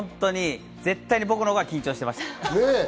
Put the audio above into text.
絶対、僕のほうが緊張していました。